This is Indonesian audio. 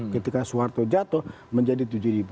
ketika soeharto jatuh menjadi tujuh